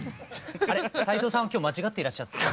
あれ斎藤さんは今日間違っていらっしゃって。